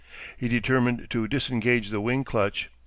He determined to disengage the wing clutch.